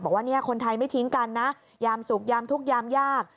บอกว่าเนี่ยคนไทยไม่ทิ้งกันนะยามสุขยามทุกข์ยามยาก